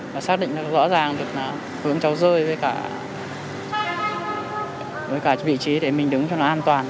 và xác định rõ ràng được hướng cháu rơi với cả vị trí để mình đứng cho nó an toàn